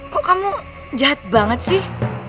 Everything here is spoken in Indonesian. kok kamu jahat banget sih